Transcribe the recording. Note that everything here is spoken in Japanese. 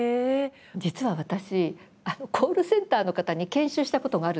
実は私コールセンターの方に研修したことがあるんですよ。